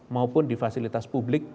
maupun di fasilitas publik